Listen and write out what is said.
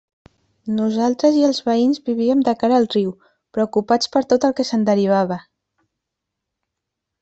Nosaltres i els veïns vivíem de cara al riu, preocupats per tot el que se'n derivava.